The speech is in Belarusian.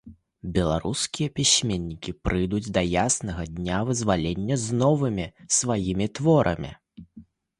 Беларускія пісьменнікі прыйдуць да яснага дня вызвалення з новымі сваімі творамі.